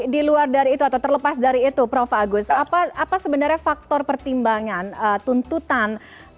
di luar dari itu atau terlepas dari itu prof agus apa sebenarnya faktor pertimbangan tuntutan